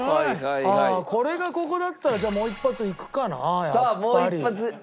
これがここだったらじゃあもう一発いくかなやっぱり。